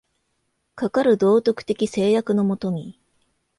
かかる道徳的制約の下に、